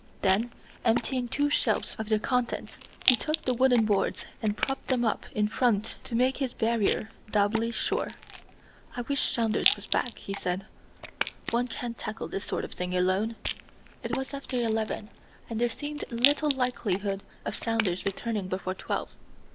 Then, emptying two shelves of their contents, he took the wooden boards and propped them up in front to make his barrier doubly sure. "I wish Saunders was back," he said; "one can't tackle this sort of thing alone." It was after eleven, and there seemed little likelihood of Saunders returning before twelve.